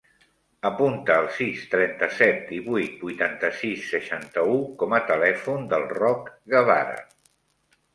Apunta el sis, trenta-set, divuit, vuitanta-sis, seixanta-u com a telèfon del Roc Guevara.